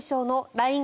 ＬＩＮＥ